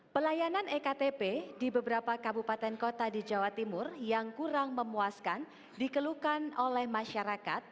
pelayanan ektp di beberapa kabupaten kota di jawa timur yang kurang memuaskan dikeluhkan oleh masyarakat